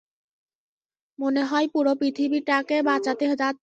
মনে হয় পুরো পৃথিবীকে বাঁচাতে যাচ্ছে।